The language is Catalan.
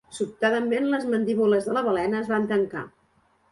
Sobtadament les mandíbules de la balena es van tancar.